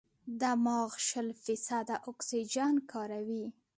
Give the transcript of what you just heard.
دماغ شل فیصده اکسیجن کاروي.